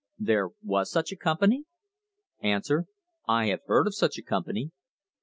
There was such a company ? A . I have heard of such a company. Q.